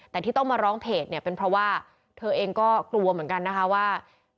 แต่ที่ต้องมาร้องเพจเนี่ยเป็นเพราะว่าเธอเองก็กลัวเหมือนกันนะคะว่า